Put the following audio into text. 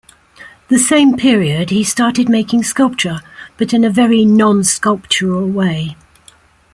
The same period he started making sculpture, but in a very not-sculptural way.